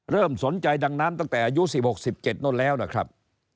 เริ่มสนใจดังนั้นตั้งแต่อายุ๑๖๑๗นู่นแล้วนะครับ